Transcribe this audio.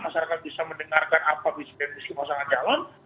masyarakat bisa mendengarkan apa bisnisnya bisnis masyarakat calon